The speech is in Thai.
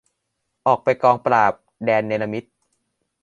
ออกไปกองปราบ แดนเนรมิต